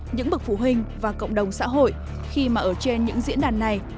những bậc phụ huynh và cộng đồng xã hội khi mà ở trên những diễn đàn này